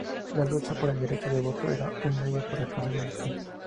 La lucha por el derecho de voto era un medio para alcanzar un fin.